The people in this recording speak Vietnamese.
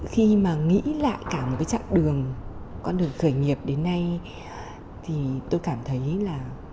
khi mà nghĩ lại cả một cái chặng đường con đường khởi nghiệp đến nay thì tôi cảm thấy là